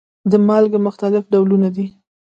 د مالګې مختلف ډولونه دي.